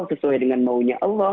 sesuai dengan maunya allah